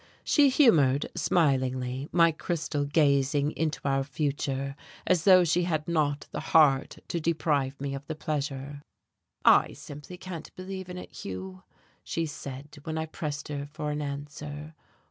She humoured, smilingly, my crystal gazing into our future, as though she had not the heart to deprive me of the pleasure. "I simply can't believe in it, Hugh," she said when I pressed her for an answer.